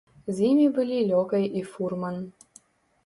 З імі былі лёкай і фурман.